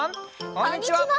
こんにちは。